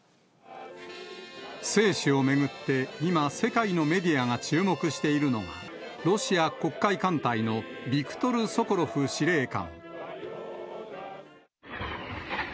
生死を巡って、今、世界のメディアが注目しているのが、ロシア黒海艦隊のビクトル・ソコロフ司令官。